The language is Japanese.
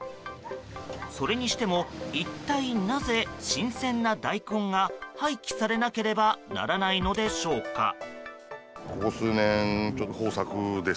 それにしても一体なぜ、新鮮な大根が廃棄されなければならないのでしょうか。